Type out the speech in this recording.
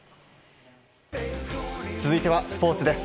続いてはスポーツです。